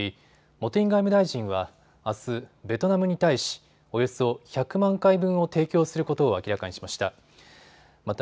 茂木外務大臣はあす、ベトナムに対しおよそ１００万回分を提供することを明らかにしました。